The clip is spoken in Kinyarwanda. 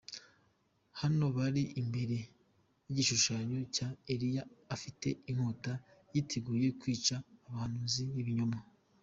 Hano bari imbere y'igishushanyo cya Eliya afite inkota yiteguye kwica abahanuzi b'ibinyoma.